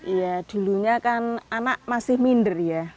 ya dulunya kan anak masih minder ya